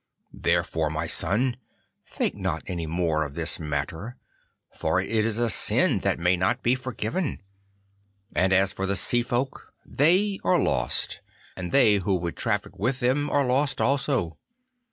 Therefore, my son, think not any more of this matter, for it is a sin that may not be forgiven. And as for the Sea folk, they are lost, and they who would traffic with them are lost also.